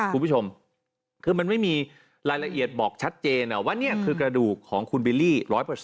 คุณผู้ชมคือมันไม่มีรายละเอียดบอกชัดเจนว่านี่คือกระดูกของคุณบิลลี่๑๐๐